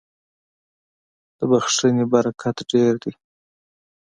• د بښنې برکت ډېر دی.